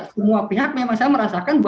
semua pihak saya merasakan